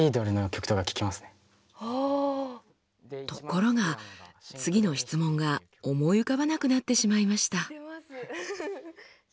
ところが次の質問が思い浮かばなくなってしまいました。